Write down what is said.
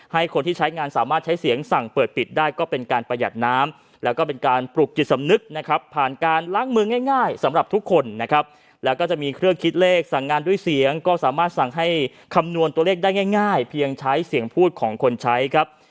ให้คนที่ใช้งานสามารถใช้เสียงสั่งเปิดปิดได้ก็เป็นการประหยัดน้ำแล้วก็เป็นการปลุกจิตสำนึกนะครับผ่านการล้างมือง่ายสำหรับทุกคนนะครับแล้วก็จะมีเครื่องคิดเลขสั่งงานด้วยเสียงก็สามารถสั่งให้คำนวณตัวเลขได้ง่ายเพียงใช้เสียงพูดของคนใช้ครับ